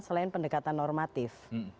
selain pendekatan normatif